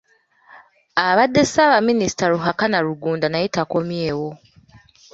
Abadde ssaabaminisita Ruhakana Rugunda naye takommyewo.